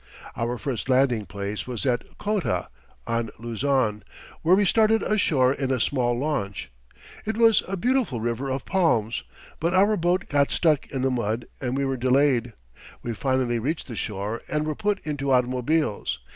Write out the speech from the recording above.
Our first landing place was at Kotta, on Luzon, where we started ashore in a small launch. It was a beautiful river of palms, but our boat got stuck in the mud and we were delayed. We finally reached the shore and were put into automobiles.